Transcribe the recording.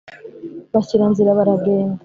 bashyira nzira baragenda,